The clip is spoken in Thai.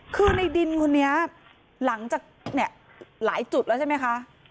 คือในดินคนนี้หลังจากเนี่ยหลายจุดแล้วใช่ไหมคะ